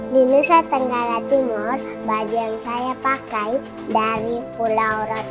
di nusa tenggara timur baju yang saya pakai dari pulau rote